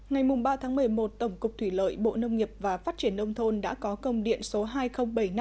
ngày ba một mươi một tổng cục thủy lợi bộ nông nghiệp và phát triển nông thôn đã có công điện số hai nghìn bảy mươi năm